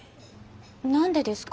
何でですか？